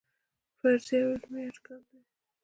فرضیه یو علمي اټکل دی